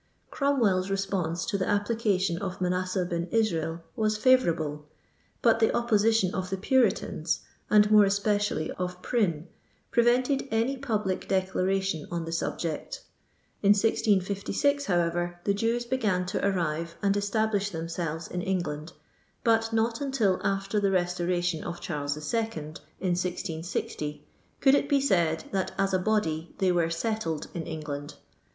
Cromwell's response to the application of Han asseh Ben Israel was favourable ; but the opposi tion of the Puritans, and more especially of Prjmne, prevented any public declaration on the subject lu 1656, however, the Jews began to arrive and establish themselves in England, but not until after the restoration of Charles II., in 1660, could it be said that, as a body, they were settled in Eng land.